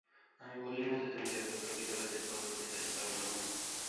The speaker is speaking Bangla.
আমি বলি না যে, তুমি যাহাকে প্রকৃত কাজের পথ বলিতেছ, তাহা ভ্রম।